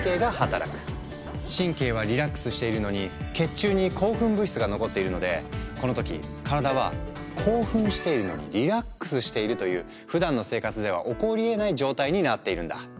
神経はリラックスしているのに血中に興奮物質が残っているのでこの時体は「興奮しているのにリラックスしている」というふだんの生活では起こりえない状態になっているんだ。